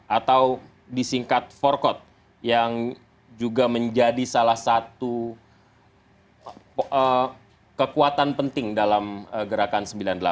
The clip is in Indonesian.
atau disingkat forkot yang juga menjadi salah satu kekuatan penting dalam gerakan sembilan puluh delapan